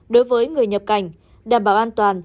đối với người nhập cảnh đảm bảo an toàn